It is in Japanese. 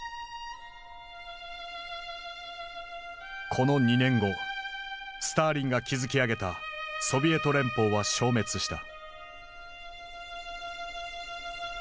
この２年後スターリンが築き上げたソビエト連邦は消滅した。